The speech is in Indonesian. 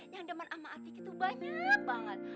yang demen sama tike tuh banyak banget